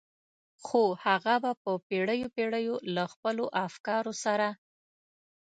خو هغه به په پېړيو پېړيو له خپلو افکارو سره.